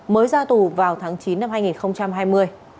mới ra tù vào tháng chín năm hai nghìn hai mươi